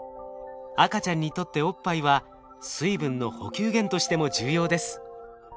赤ちゃんにとっておっぱいは水分の補給源としても重要です。